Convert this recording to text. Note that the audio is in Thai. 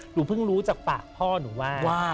หนูเพิ่งรู้จากปากพ่อหนูว่า